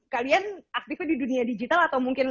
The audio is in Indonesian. kalian aktifnya di dunia digital atau mungkin